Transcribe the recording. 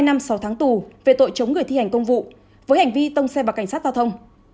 hai mươi năm sáu tháng tù về tội chống người thi hành công vụ với hành vi tông xe vào cảnh sát giao thông